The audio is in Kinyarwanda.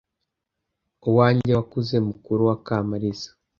Uwanjye wakuze mukuru wa Kamaliza